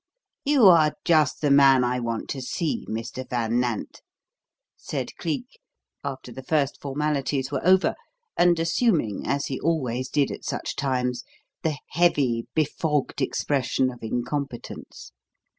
"You are just the man I want to see, Mr. Van Nant," said Cleek, after the first formalities were over, and assuming, as he always did at such times, the heavy, befogged expression of incompetence.